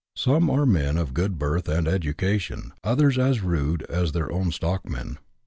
Some are men of good birth and education, others as rude as their own stockmen.